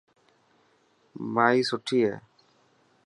ماءِ سٺي هي.